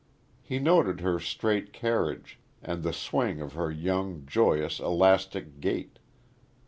He noted her straight carriage, and the swing of her young, joyous, elastic gait.